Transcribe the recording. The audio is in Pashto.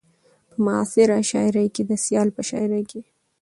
په معاصره شاعرۍ کې د سيال په شاعرۍ